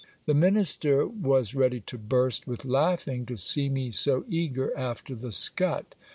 The minister was ready to burst with laughing, to see me so eager after the scut.